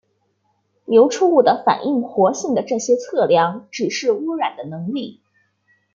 流出物的反应活性的这些测量指示污染的能力。